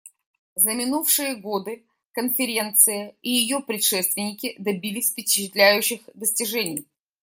За минувшие годы Конференция и ее предшественники добились впечатляющих достижений.